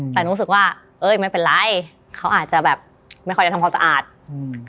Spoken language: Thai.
แต่รู้สึกว่าเอ้ยไม่เป็นไรเขาอาจจะแบบไม่ค่อยจะทำความสะอาดอืม